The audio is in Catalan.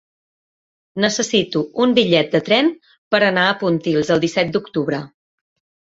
Necessito un bitllet de tren per anar a Pontils el disset d'octubre.